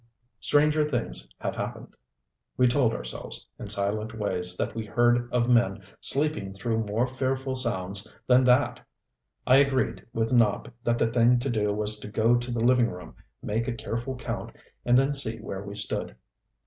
Stranger things have happened. We told ourselves, in silent ways, that we had heard of men sleeping through more fearful sounds than that! I agreed with Nopp that the thing to do was to go to the living room, make a careful count, and then see where we stood.